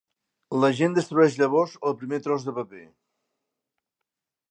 L'agent destrueix llavors el primer tros de paper.